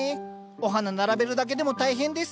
お花並べるだけでも大変です。